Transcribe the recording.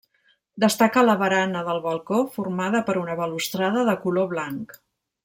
Destaca la barana del balcó, formada per una balustrada de color blanc.